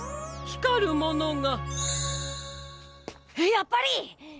やっぱり！